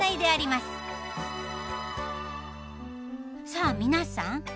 さあ皆さん